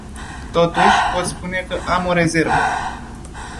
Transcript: Totuși, pot spune că am o rezervă.